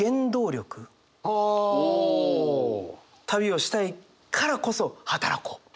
旅をしたいからこそ働こう！